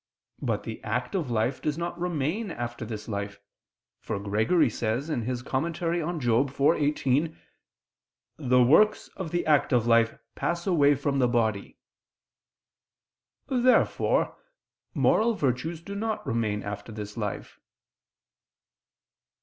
But the active life does not remain after this life: for Gregory says (Moral. iv, 18): "The works of the active life pass away from the body." Therefore moral virtues do not remain after this life.